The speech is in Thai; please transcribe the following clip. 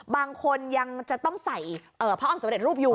บางคนยังจะต้องใส่พระอ้อมสำเร็จรูปอยู่